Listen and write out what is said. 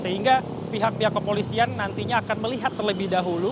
sehingga pihak pihak kepolisian nantinya akan melihat terlebih dahulu